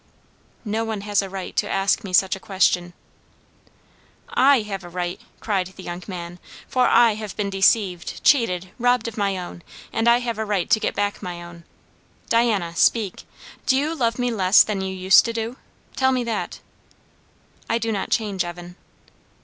"No one has a right to ask me such a question." "I have a right," cried the young man; "for I have been deceived, cheated, robbed of my own; and I have a right to get back my own. Diana, speak! do you love me less than you used to do? Tell me that." "I do not change, Evan."